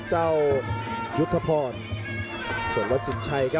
เจ้ายุธบอลส่วนวัดสินชัย